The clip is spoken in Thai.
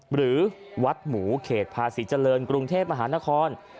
หรือวัดหมูเขตภาษีเจริญกรุงเทพมหานคร